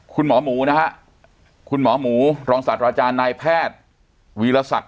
คุณหมอหมูนะฮะคุณหมอหมูรองศาสตราจารย์นายแพทย์วีรศักดิ